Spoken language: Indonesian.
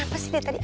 kenapa sih tadi